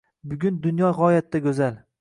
Bugun dunyo g’oyatda go’zal